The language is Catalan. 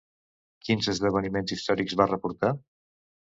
Quins esdeveniments històrics va reportar?